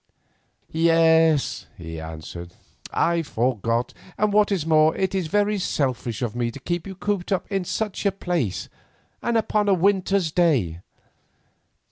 "Yes," he answered, "I forgot, and, what is more, it is very selfish of me to keep you cooped up in such a place upon a winter's day.